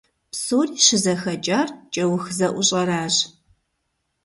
Псори щызэхэкӀар кӀэух зэӀущӀэращ.